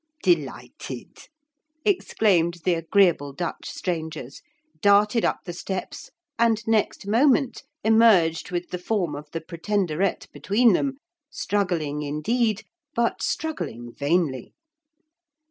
'Delighted,' exclaimed the agreeable Dutch strangers, darted up the steps and next moment emerged with the form of the Pretenderette between them, struggling indeed, but struggling vainly.